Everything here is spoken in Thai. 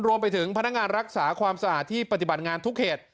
รวมไปถึงพนักงานรักษาความสะอาดที่ปฏิบัติงานทุกเขต